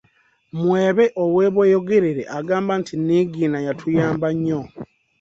Mwebe ow’e Bweyogerere agamba nti, ‘‘Niigiina yatuyamba nnyo".